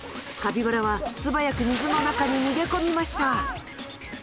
カピバラは素早く水の中に逃げ込みました。